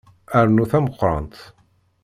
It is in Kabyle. Rnu tameqqrant.